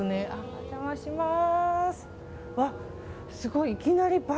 お邪魔します。